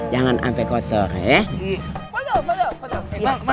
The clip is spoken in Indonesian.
jangan sampai kotor ya